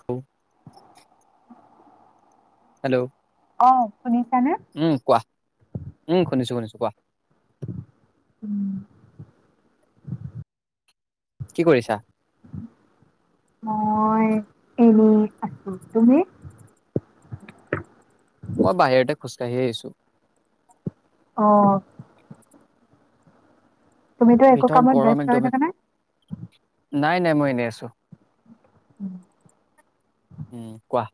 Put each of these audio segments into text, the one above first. হ হেল্ল' অ শুনিছানে? উম কোৱা উম শুনিছো শুনিছো কোৱা উম কি কৰিছা? মই এনেই আছো তুমি মই বাহিৰতে খোজকাাঢ়িয়ে আহিছো। অ তুমিতো একো ভিতৰত কামত গৰম ব্যস্ত হৈ একদম থাকা নাই নাই নাই মই এনেই আছো উম উম কোৱা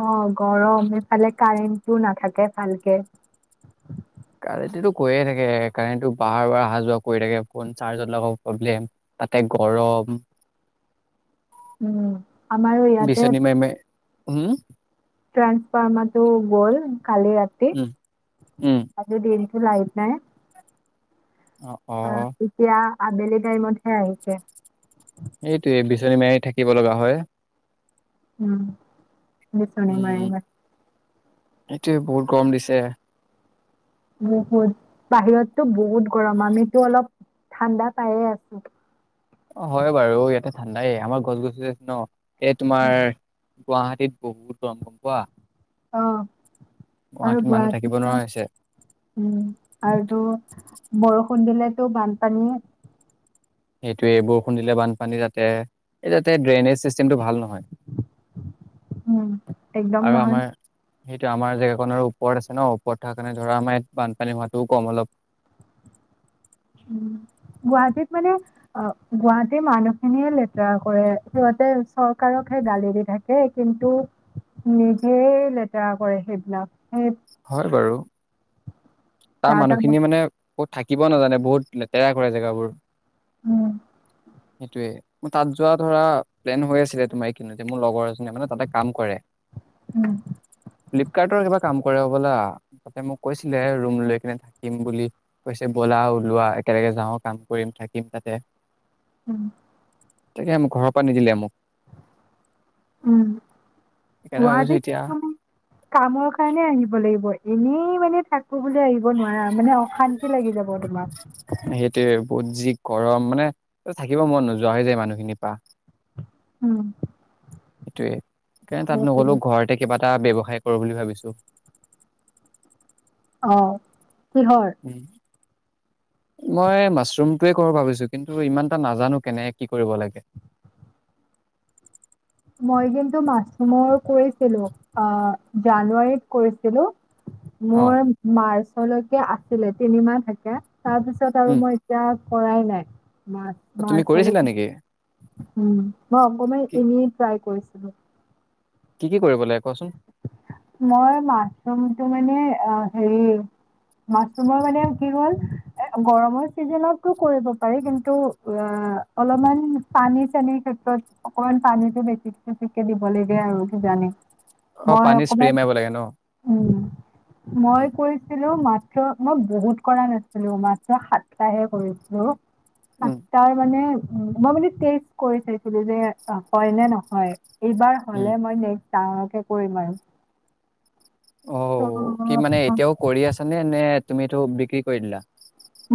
অ গৰম এইফালে কাৰেণ্ট টো নাথাকে ভালকে কাৰেণ্টটো কৈয়ে থাকে কাৰেণ্টটো বাৰ বাৰ অহা যোৱা কৰি থাকে ফোন চাৰ্জৰ লগত প্ৰব্লেম তাতে গৰম উম আমাৰো ইয়াতে হম ট্ৰান্সফাৰ্মাটো গ'ল কালি ৰাতি উম উম আজি দিনটো লাইট নাই অ এতিয়া আবেলি টাইমতে আহিছে এইটোয়ে বিচনী মাৰি থাকিব লগা হয় উম বিছনি মৰি মাৰি সেটোয়ে বহুত গম দিছে। বহুত বাহিৰতো বহুত গৰম আমিতো অলপ ঠাণ্ডা পাইয়ে আছো। অ হয় বাৰু ইয়াতে ঠাণ্ডাই আমাৰ গছ গছ আছে ন। এই তোমাৰ গুৱাহাটীত বহুত গম গম পোৱা অ আৰু মানুহ থাকিব গুৱাহাটীত নোৱাৰা হৈছে উম আৰু বৰষুণ দিলেতো বানপানীয়ে সেইটো এ বৰষুণ দিলে বানপানী তাতে এই টাতে ড্ৰেইনেজ চিষ্টেমটো ভাল নহয় উম একদম আৰু নহয় আমাৰ সেইটো আমাৰ জেগাখনৰ ওপৰত আছে ন ওপৰত থকা কাৰণে ধৰা আমাৰ ইয়াত বানপানী হোৱাটোও কম অলপ উ গুৱাহাটীত মানে অ গুৱাহাটীৰ মানুহখিনিয়ে লেতেৰা কৰে সিহঁতে চৰকাৰকহে গালি দি থাকে কিন্তু নিজেই লেতেৰা কৰে সেইবিলাক সেই হয় বাৰু তাৰ যা তা মানুহখিনি বস্তু। মানে কত থাকিব নাজানে বহুত লেতেৰা কৰে জেগাবোৰ উম [inaudible] সেইটোয়ে ম তাত যোৱা ধৰা প্লেন হৈ আছিলে তোমাৰ এইখিনতে মোৰ লগৰ মানে তাতে কাম কৰে উম [unintelligible] ফ্লিপকাৰ্টৰ ক কাম কৰা বলা তাতে মোক কৈছিল দে ৰুম লৈ কিনে থাকিম বুলি কৈছে ব'লা ওলোৱা একেলগে যাও কাম কৰিম থাকিম তাতে উম তাকে আম ঘৰ পৰা নিদিলে আ মোক উম সেইকাৰণে ভাবিছো এতিয়া গুৱাহাটীত কামৰ কাৰণে আহিব লাগিব এনেই মানে থাক আহিব নোৱাৰা মানে অশান্তি লাগি যাব তোমাক পুজি গৰম মানে থাকিব মন নোযোৱা হৈ যায় মানুহখিনিৰ পৰা উম সেইটোয়ে সেইকাৰণে তাত নগলেও ঘৰতে কিবা এটা ব্যৱসায় কৰোঁ বুলি ভাবিছোঁ [unintelligible] অ কিহৰ উম মই মাছৰুমটোৱে কৰ ভাবিছো কিন্তু ইমান এটা নাজানো কেনে কি কৰিব লাগে মই কিন্তু মাছমৰ কৰিছিলো অ জানুৱাৰীত কৰিছিলো অ মোৰ মাৰ্চ লৈকে আছিলে তিনি মাহ থাকে তাৰপিছত আৰু উম মই এতিয়া কৰাই নাই ম তুমি কৰিছিলা মাৰ্চালৈকে নেকি? উম মই অকনমান কি এনেই ট্ৰাই কৰিছো উ [inaudible] কি কি কৰিব লাগে কোৱাচোন‌ মই মাছৰুমতটো মানে অ হেৰি মাছৰুমৰ মানে কি হ'ল এ গৰমৰ চিজনতটো কৰিব পাৰি কিন্তু অ অলপমান পানী চানীৰ ক্ষেত্ৰত অকমান পানীতটো বেছিক বেছিকে দিব লাগে আৰু কিজানি অ পানী উ মই উম কৈছিলো‌ মাত্ৰ মই বহুত কৰা নাছিলো মাত্ৰ সাতটাহে কৰিছিলো আ উম তাৰ মানে মই মানে টেষ্ট কৰি চাইছিলো যে হয় নে নহয় এইবাৰ উম হলে মই নেক্স ডাঙৰকে কৰিম আৰু অ কি মানে ত' এতিয়াও কৰি আছা নে নে তুমি এইটো বিক্ৰী কৰি দিলা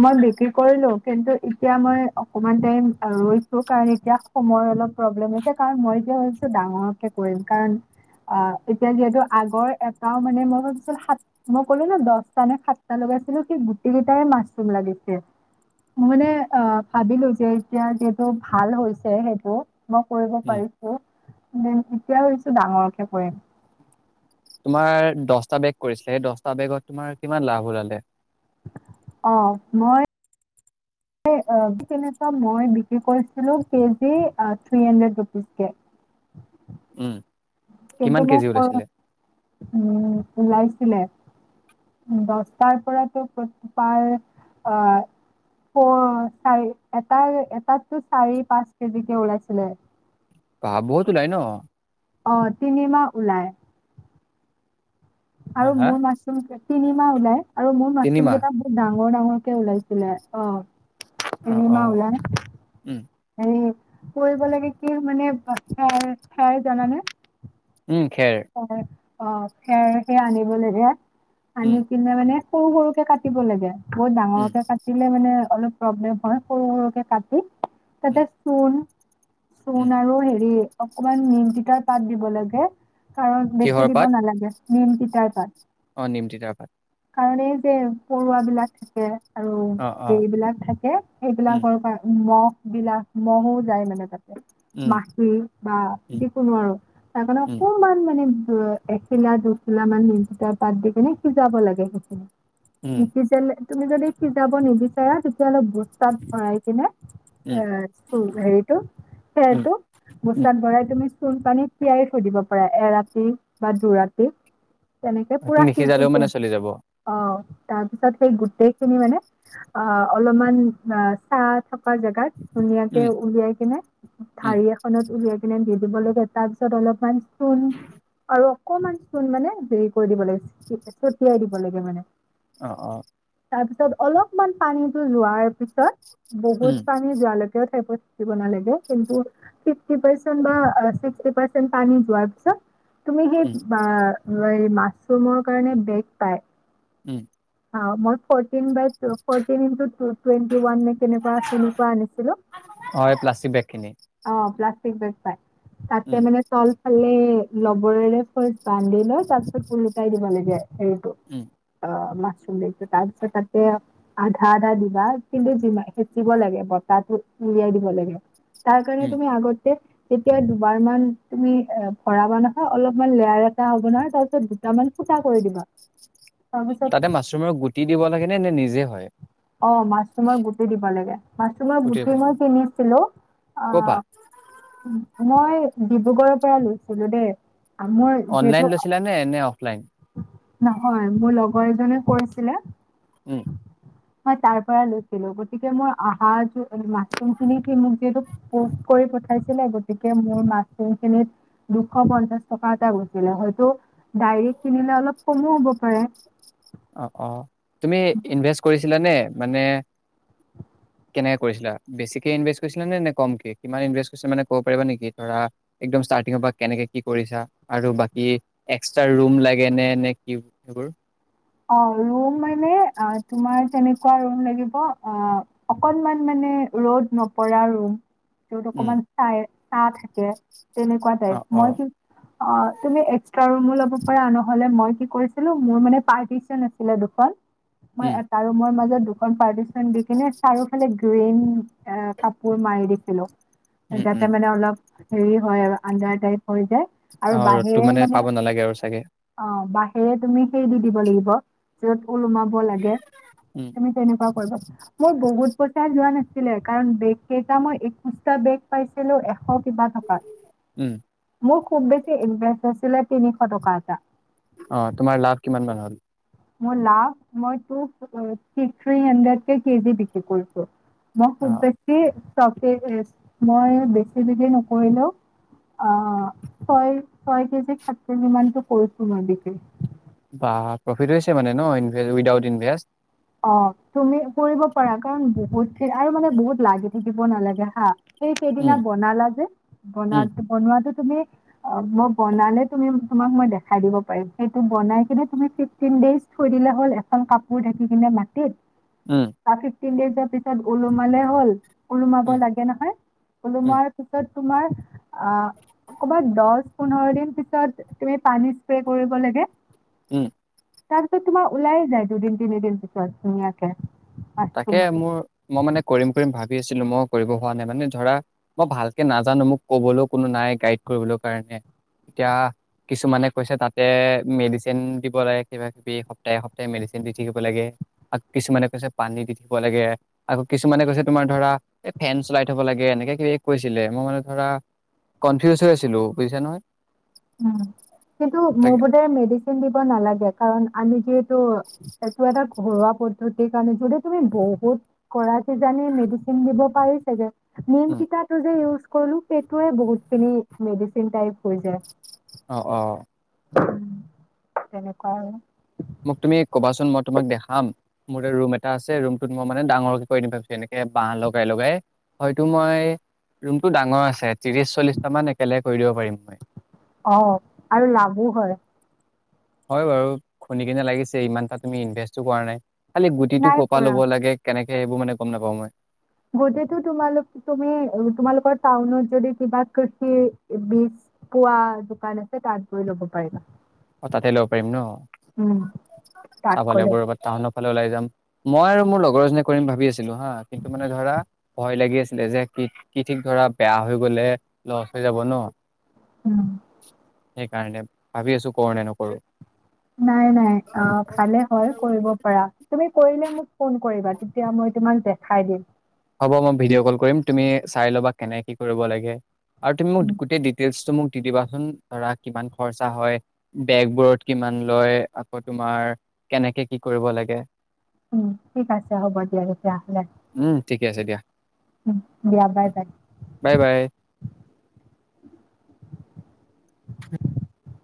মই বিক্ৰী কৰিলো কিন্তু এতিয়া মই অকমান টাইম ৰৈছো কাৰণ এতিয়া সময় অলপ প্ৰব্লেম হৈছে কাৰণ মই এতিয়া ভাবিছো ডাঙৰকে কৰিম কাৰণ অ এতিয়া যিহেতু আগৰ এটাও মানে মই ভাবিছিলো সাত মই কলো ন দহটা নে সাতটা লগাইছিলো কি গোটেই কেইটাই মাছ লাগিছিল মই মানে আহ ভাবিলো যে এতিয়া যিহেটো ভাল হৈছে সেইটো মই কৰিব উম পাৰিছো মই এতিয়া ভাবিছো ডাঙৰকে কৰিম তোমাৰ দহটা বেগ কৰিছিলা সেই দহটা বেগত তোমাৰ কিমান লাভ ওলালে অঁ মই তেনেকুৱা মই বিক্ৰী কৰিছিলোঁ কেজি থ্ৰী হাণ্ড্ৰেড ৰুপিজকে উম কিন্তু কিমান মই কেজি কম ওলাইছিলে? ওলাইছ ছিলে দছটাৰ পৰাতো পাৰ আহ ফৌৰ চাৰি এটাৰ এটাতো চাৰি পাঁচ কেজিকে ওলাইছিলে বাহ বহুত ওলাই ন অ তিনি মাহ ওলাই হা আৰু হা মোৰ মাছৰুম তিনিমাহ ওলাই আৰু মোৰ মাছৰুম তিনিমাহ কেইটা বহুত ডাঙ ডাঙৰ ডাঙৰকে ওলাইছিলে অ অ তিনি অ মাহ ওলাই উম উম কৰিব লাগে কি মানে ঠাই জানে নে উম খেৰ অ খেৰ সেই আনিব লাগে উম আনিকিনে মানে সৰু সৰুকে কাটিব লাগে বহুত উম ডাঙৰকে কাটিলে মানে অলপ প্ৰব্লেম হয় সৰু সৰুকে কাটি উম তাতে চূণ উম চুণ আৰু হেৰি অকণমান নিমতিতাৰ পাত দিব লাগে কাৰণ বেছি কিহৰ দিব পাত নালাগে নিম তিতাৰ পাত অ নিম তিতাৰ পাত কাৰণ এই যে পৰুৱা বিলাক থাকে আৰু অ অ সেইবিলাক থাকে উম সেইবিলাকৰ পৰা ওলোৱা বিলাহ মহো যায় মানে তাত উম মাখি বা উম যিকোনো আৰু তাৰ কাৰণে উম অকণমান মানে নিম এখিলা দুখিলা মান নিম তিতা পাত দি কিনে সিজাব লাগে লাগে অকণমান উম নিসিজালে তুমি যদি সিজাব নিবিচাৰা তেতিয়াহলে বহু বস্তাত ভৰাই কিনে এ উম চ হেৰিটো উম সেটো উম বস্তাত ভৰাই তুমি চূণ পানীত তিয়াই থৈ দিব পাৰা এৰাতি বা দুৰাতি তেনেকে পুৰা সিজি নিসিজালেও মানে যোৱা চলি যাব অ তাৰ পিছত সেই গোটেইখিনি মানে অলপমান অ ছাঁ থকা ছা থকা জেগাত ধুনীয়াকে উম উলিয়াই কিনে উম ঢাৰি এখনত উলিয়াই কিনে দুদিন মান ৰ'দ দিব লাগে তাৰ পিছত অলপমান চূণ আৰু অকণমান চূণ মানে হেৰি কৰি দিব লাগিছিল তাৰপাছত তিয়াই দিব লাগে মানে অ অ তাৰ পিছত অলপমান পানীতো যোৱাৰ পিছত উম বহুত পানী যোৱালৈকেও থাকিব প দিব নালাগিব কিন্ত ফিভটি পাৰ্চেন্ত বা ছিক্সটি পাৰ্চেন পানী যোৱাৰ পিছত তুমি সেই উম বা লোৱা এই মাছৰুমৰ কাৰণে বেগ পায় উম অ মই ফৰ্টিনন বাই ফটিনন ই ত টুৱেন্টি ৱান নে তেনেকুৱা আনিছিলোঁ অ অ এই প্লাষ্টিক বেগ খিনি প্লাষ্টিক প্লাষ্টিক বেগ পায় তাতে উম মানে তল খালে ৰবৰেৰে ফাৰ্ষ্ট বান্ধি লয় তাৰ পিছত উলোতাই দিব লাগে হেৰিটো উম অ মাছৰুম বেগটো তাৰ পিছত তাতে আধা আধা দিবা কিন্তু যিমান সেচিব লাগে বতাহটো উলিয়াই দিব লাগে। তাৰ কাৰণে উম তুমি আগতে তেতিয়া দুবাৰ মান তুমি এ ভৰাবা নহয়, অলপমান লেয়াৰ এটা হ'ব নহয়, তাৰপিছত দুটামান ফুটা কৰি দিবা তাৰপিছত তাতে মাছৰুমৰ গুটি দিব লাগে নে? নে নিজে হয়। অ মাছৰুমৰ গুটি দিব লাগে। মাছৰুমৰ গুটিৰ গুটি মই পৰিমাণ কিনিছিলো, অ ক'ৰ পৰা মই ডিব্ৰুগড়ৰ পৰা লৈছিলো দেই মোৰ যিহেতু অনলাইন লৈছিলা নে, নে অফলাইন? হয়, মোৰ লগৰ এজনে কৰিছিলে উম মই তাৰ পৰা লৈছিলো। গতিতে মই [unintelligible] মাচৰুম খিনি সি যিহেতু পোষ্ট কৰী পঠাইছিল গতিকে মোৰ মিশ্ৰণ খিনিত দুশ পনচাস টকা এটা লৈছিলে হয়তো বাহিৰত কিনিলে অলপ কম হব পাৰে। অ, অ। তুমি ইনভেষ্ট কৰিছা? ছিলানে মানে কেনেকে কৰিছিলা? বেছিকে ইনভেষ্ট কৰিছিলা নে, নে কমকে কিমান ইনভেষ্ট কৰিছিলা মানে ক'ব পাৰিবা নেকি, ধৰা একদম ষ্টাৰ্টিঙৰ পৰা কেনেকে কি কৰিছা আৰু বাকী এক্সট্ৰা ৰুম লাগে নে-নে কি সেইবোৰ। অ ৰুম মানে অ তোমাৰ তেনেকুৱা ৰুম লাগিব অ অকনমান মানে ৰ'দ নপৰা ৰুম। উম, অকমান চাই চা থাকে। তেনেকুৱা টাইপ অ', মই অ', কি অ তুমি এক্স্ৰা ৰুমো লব পাৰা। আ ন নহলে মই কি কৰিছিলো মোৰ মানে পাৰ্টিচন আছিলে দুখন। মই উম, এটা ৰোমৰ মাজত পাৰ্টি ন্দ কিনে চাৰওফালে গ্ৰন এ কাপোৰ মাৰি দিছিলো। উম, উম, যাতে মানে অলপ হেৰি হয় আৰু আন্ধাৰ টাইপ হৈ যায়। আৰু অ ৰ'দো বাহিৰে মানে পাব নালাগে আৰু চাগে। অ বাহিৰে তুমি সেই দি দিব লাগিব। য সোমাব লাগে, উম, তুমি তেনেকুৱা কৰিবা। মোৰ বহুত পইচা যোৱা নাছিলে কাৰণ বেগ কেইটা মই একৈশটা বেগ পাইছিলো কিবা টকাত। উম, মোৰ খুব বেছি ইনভেস্ট আছিলে তিনিশ টকা এটা। অ তোমাৰ লাভ কিমান মান হল? মোৰ লাভ, মই থ্ৰি হানৰেদ কে কেজি বিক্ৰী কৰিছোঁ। মই খুব অ', বেছি মই বেছি বিক্ৰী নকৰিলেও, আহ ছয়-ছয় কেজি খাট কিলোমানটো কৰিছোঁ মই বিক্ৰী। বা, প্ৰফিট হৈছে মানে ন, ইনভে উইদাউট ইনভেষ্ট? অ, তুমি কৰিব পাৰা কাৰণ বহুত আৰু মানে বহুত লাগি থাকিব নালাগে হা। সেই সেইদিনা উম, বনালা যে উম, বনন বনোৱাতো আ, মই বানালে তোমাক মই দেখাই দিব পাৰিম। সেইখন বনাই কেনে তুমি ফিফটিন দেইজ থৈ দিলে হল এখন কাপোৰ ধাকি। দি কিনে মাটিত। উম। ফিফতিন দেইজৰ পিছত ওলোমালে হ'ল। ওলোমাব উম, লাগে নহয় উম, ওলোমোৱাৰ পিছত। তোমাৰ আহ কৰবাত দহ পোন্ধৰ দিনৰ পাছত পানী স্প্ৰে কৰিব লাগে উম তাৰপিছত তোমাৰ ওলাইে যায় দুদিন তিনি দিন পিছত ধুনীয়াকে তাকে মাছৰুমটো। মোৰ মই মানে কৰিম কৰিম ভাবি আছিলোঁ মই কৰিব হোৱা নাই মানে ধৰা মই ভালকে নাজানো মোক কবলৈও কোনো নাই গাইড কৰিবলৈ কাৰণে এতিয়া কিছুমানে কৈছে তাতে মেডিচিন দিব লাগে কিবা কিবি সপ্তাহে সপ্তাহে মেডিচিন দি থাকিব লাগে কিছুমানে কৈছে পানী দি থাকিব লাগে আকৌ কিছুমানে কৈছে তোমাৰ ধৰা ফেন চলাই থব লাগে এনেকে কিবা কৈছিলে মই মানে ধৰা কনফিউজ হৈ আছিলো বুজিছা নহয় কিন্তু মোৰ তাকে বুধে মেডিচিন দিব নালাগে কাৰণ আমি যিহেতু এইটো এটা ঘৰুৱা পদ্ধতি কাৰনে তুমি বহুত কৰা কিজানি মেডিচিন দিব পাৰিছেগে নিম উম তিতাটো যে কলোঁ পেতুৱে বহুত খিনি মেডিচিন টাইপ হৈ যায় অ অ তেনেকুৱা আৰু মোক তুমি কবাচোন মই তোমাক দেখাম মোৰ ৰুম এটা আছে ৰুমটোত মই মানে ডাঙৰকে কৰি ভাবিছো এনেকে বাহঁ লগাই লগাই হয়তো মই ৰুমটো ডাঙৰ আছে ত্ৰিশ চল্লিশটা মান একেলগে কৰি দিব পাৰিম মই অ আৰু লাভো হয় হয় বাৰু শুনি কেনে লাগিছে ইমান এটা তুমি ইনভেষ্টটো কৰা নাই খালি গুটিটো নাই কপা কৰা। ল'ব লাগে কেনেকে সে সেইবোৰ মানে গম নাপাওঁ মই গোটেইটো তোমালোক তুমি তোমালোকৰ টাউনত যদি কিবা কৃষি বীজ পোৱা দোকান আছে তাত গৈ লব পাৰিবা অ তাতে ল'ব পাৰিম ন উম তাত চাব গ'লে লাগিব ৰবা তাত ফালে ওলাই যাম মই আৰু মোৰ লগৰজনীয়ে কৰিম ভাবি আছিলো হা কিন্তু মানে ধৰা ভয় লাগি আছিলে যে কি কি ঠিক ধৰা বেয়া হৈ গলে লচ হৈ যাব ন উম সেইকাৰণে ভাবি আছো কৰো নে নকৰোঁ নাই নাই অ ভালে হয় কৰিব পাৰা তুমি কৰিলে মোক ফোন কৰিবা তেতিয়া মই তোমাক দেখাই দিম হ'ব মই ভিডিঅ' কল কৰিম তুমি চাই ল'বা কেনে কি কৰিব লাগে আৰু তুমি মোক উম গোটেই ডিটেইলচটো মোক দি দিবাচোন ধৰা কিমান খৰচা হয় বেগবোৰত কিমান লয় আকৌ তোমাৰ কেনেকে কি কৰিব লাগে উম ঠিক আছে হ'ব দিয়া তেতিয়া হ'লে উম ঠিকে আছে দিয়া উম দিয়া বাই বাই বাই বাই